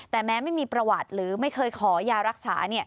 แต่แม้ไม่มีประวัติหรือไม่เคยขอยารักษา